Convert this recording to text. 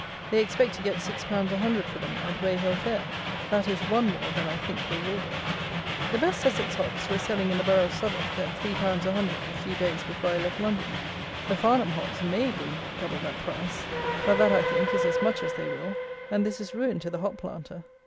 They expect to get six pounds a hundred for them at Weyhill fair. That is one more than I think they will get. The best Sussex hops were selling in the Borough of Southwark at three pounds a hundred a few days before I left London. The Farnham hops may bring double that price; but that, I think, is as much as they will; and this is ruin to the hop planter.